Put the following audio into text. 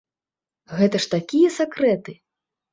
Гэта ж такія сакрэты!